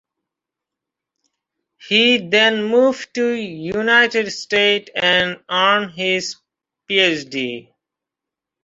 He then moved to United States and earned his Ph.